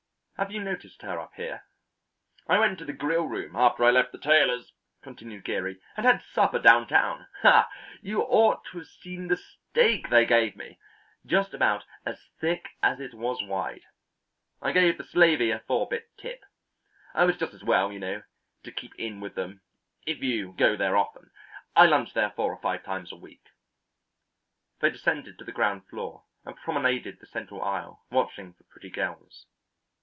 "Have you noticed her up here?" "I went to the Grillroom after I left the tailor's," continued Geary, "and had supper downtown. Ah, you ought to have seen the steak they gave me! Just about as thick as it was wide. I gave the slavey a four bit tip. Oh, it's just as well, you know, to keep in with them, if you go there often. I lunch there four or five times a week." They descended to the ground floor and promenaded the central aisle watching for pretty girls.